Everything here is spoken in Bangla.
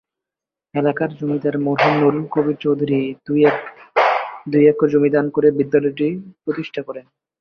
এলাকার জমিদার মরহুম নুরুল কবির চৌধুরী দুই একর জমি দান করে বিদ্যালয়টি প্রতিষ্ঠা করেন।